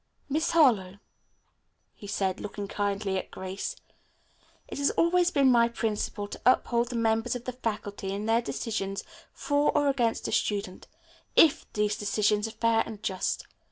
"Miss Harlowe," he said, looking kindly at Grace, "it has always been my principle to uphold the members of the faculty in their decisions for or against a student, if these decisions are fair and just.